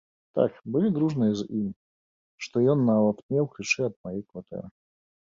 Так былі дружныя з ім, што ён нават меў ключы ад маёй кватэры.